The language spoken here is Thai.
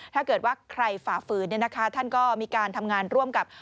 ถ้าเกิดว่าใครฝ่าฝืนท่านก็มีการทำงานร่วมกับ